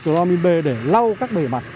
của loa minh bề để lau các bề mặt